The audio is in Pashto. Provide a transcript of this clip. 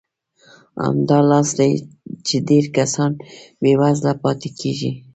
همدا لامل دی چې ډېر کسان بېوزله پاتې کېږي.